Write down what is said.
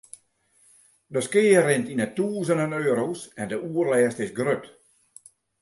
De skea rint yn 'e tûzenen euro's en de oerlêst is grut.